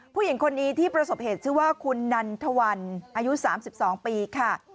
ผู้หญิงคนนี้ที่ประสบเหตุชื่อว่าคุณนันทวันอายุ๓๒ปีค่ะ